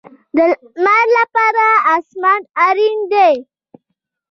د لمر لپاره اسمان اړین دی